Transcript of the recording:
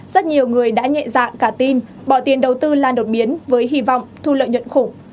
rất nhiều người đã nhẹ dạ cả tin bỏ tiền đầu tư lan đột biến với hy vọng thu lợi nhuận khủng